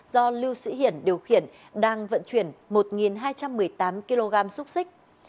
do lưu sĩ hiển điều khiển đang vận chuyển một hai trăm một mươi tám kg xúc xích